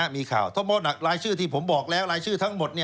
มีข่าวถ้ารายชื่อที่ผมบอกแล้วรายชื่อทั้งหมด